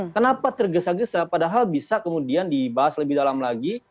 kenapa tergesa gesa padahal bisa kemudian dibahas lebih dalam lagi